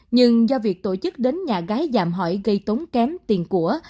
nhưng do việc tổ chức đến nhà gái giảm hỏi gây tốn kém tiền của